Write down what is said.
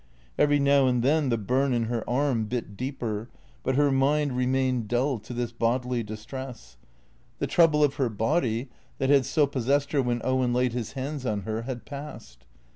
Every now and then the burn in her arm bit deeper; but her mind remained dull to this bodily distress. The trouble of her 236 THECREATOES body, that had so possessed her when Owen laid his hands on her, had passed.